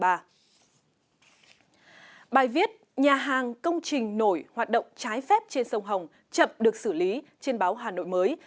bài viết nhà hàng công trình nổi hoạt động trái phép trên sông hồng chậm được xử lý trên báo hà nội mới